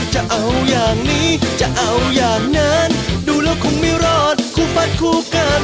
จะเอาอย่างนี้จะเอาอย่างนั้นดูแล้วคงไม่รอดคู่มัดคู่กัน